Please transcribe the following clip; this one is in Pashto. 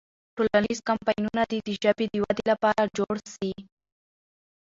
ټولنیز کمپاینونه دې د ژبې د ودې لپاره جوړ سي.